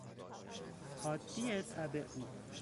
حادی تب او